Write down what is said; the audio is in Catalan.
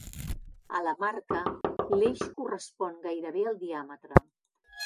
A la marca, l'eix correspon gairebé al diàmetre.